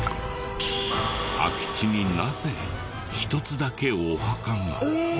空き地になぜ１つだけお墓が？